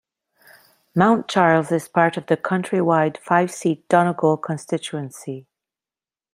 Mountcharles is part of the county-wide five-seat Donegal constituency.